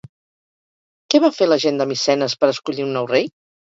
Què va fer la gent de Micenes per escollir un nou rei?